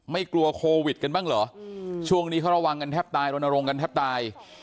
ไม่กลัวโควิดกันบ้างเหรอช่วงนี้เขาระวังกันแทบตายรณรงค์กันแทบตาย